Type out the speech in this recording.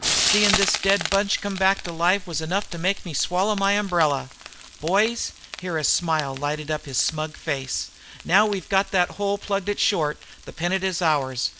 Seein' this dead bunch come back to life was enough to make me swallow my umbrella. Boys," here a smile lighted up his smug face, "now we've got thet hole plugged at short the pennant is ours.